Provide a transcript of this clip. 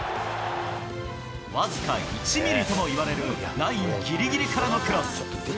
僅か１ミリともいわれるラインぎりぎりからのクロス。